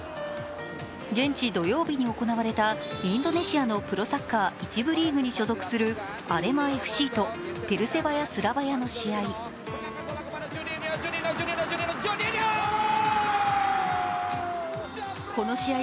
現地土曜日に行われたインドネシアのプロサッカー１部リーグに所属するアレマＦＣとペルセバヤ・スラバヤの試合。